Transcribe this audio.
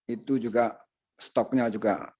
itu juga stoknya juga